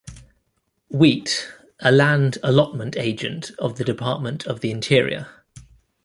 Wheat, a land allotment agent of the Department of the Interior.